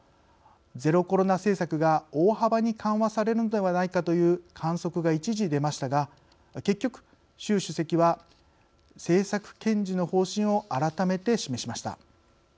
ゼロコロナ政策が大幅に緩和されるのではないかという観測が一時出ましたが結局、習主席は政策堅持の方針を改めて示しました。